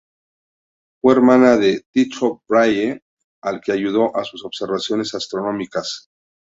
Fue hermana de Tycho Brahe, al que ayudó en sus observaciones astronómicas.